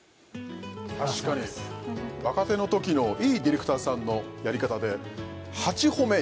確かに若手のときのいいディレクターさんのやり方で８褒め